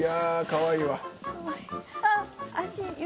かわいい！